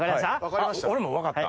俺も分かった。